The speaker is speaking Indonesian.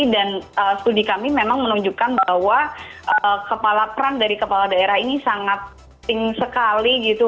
dan studi kami memang menunjukkan bahwa kepala peran dari kepala daerah ini sangat penting sekali gitu